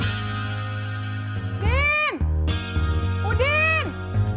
tepat amat hilangnya